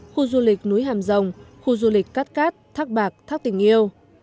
khu du lịch núi hàm rồng khu du lịch cát cát bạc thác tình yêu